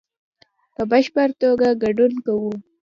په بشپړ توګه ګډون کوو